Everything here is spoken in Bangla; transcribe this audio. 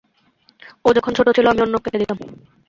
ও যখন ছোট ছিল, আমি ওর নখ কেটে দিতাম।